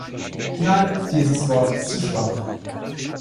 Nein dieses Wort ist zu schwach.